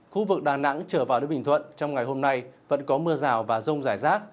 khu vực đà nẵng trở vào đến bình thuận trong ngày hôm nay vẫn có mưa rào và rông rải rác